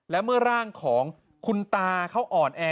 และเมื่อร่างของคุณตาเขาอ่อนแอ